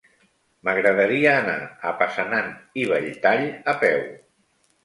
M'agradaria anar a Passanant i Belltall a peu.